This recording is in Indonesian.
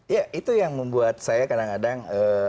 ya itu yang membuat saya kadang kadang